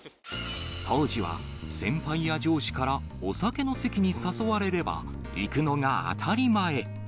当時は先輩や上司からお酒の席に誘われれば行くのが当たり前。